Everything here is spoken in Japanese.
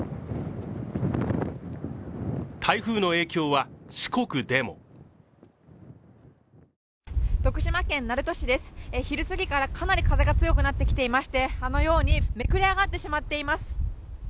台風の影響は四国でも徳島県鳴門市です、昼すぎからかなり風が強くなってきていましてあのようにめくれ上がってしまっています。